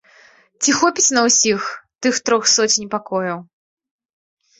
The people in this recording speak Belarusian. Ці хопіць на ўсіх тых трох соцень пакояў.